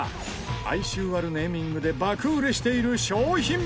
哀愁あるネーミングで爆売れしている商品名とは？